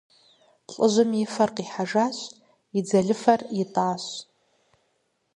Лӏыжьым и фэр къихьэжащ, и дзэлыфэр итӀащ.